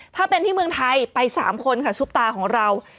ถ้าเป็นที่เมืองไทยไป๓คนค่ะซุปตาของเรา